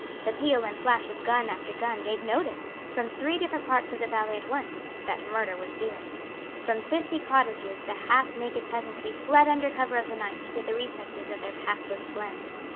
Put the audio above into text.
The peal and flash of gun after gun gave notice, from three different parts of the valley at once; that murder was doing. From fifty cottages the half naked peasantry fled under cover of the night to the recesses of their pathless glen.